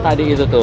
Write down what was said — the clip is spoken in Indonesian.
tadi itu tuh